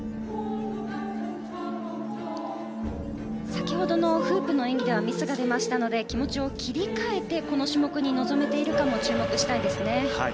先ほどのフープの演技ではミスが出ましたので気持ちを切り替えてこの種目に臨めているかも注目したいですね。